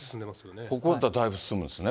ここだったらだいぶ進むんですね。